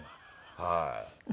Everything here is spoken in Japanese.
はい。